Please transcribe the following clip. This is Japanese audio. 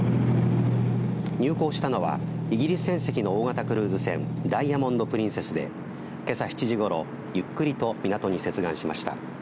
入港したのはイギリス船籍の大型クルーズ船ダイヤモンド・プリンセスでけさ７時ごろゆっくりと港に接岸しました。